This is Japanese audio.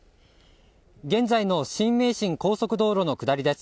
現在の新名神高速道路の下りです。